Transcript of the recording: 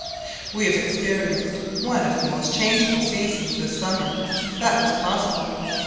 We have experienced one of the most changeable seasons this summer that was possible.